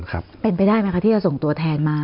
เพื่อนไปได้มั้ยคะที่จะส่งตัวแทนมา